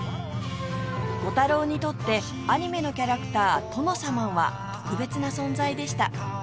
コタローにとってアニメのキャラクターとのさまんは特別な存在でした